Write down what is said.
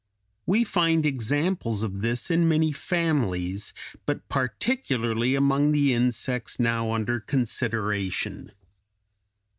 We find examples of this in many families, but particularly among the insects now under consideration.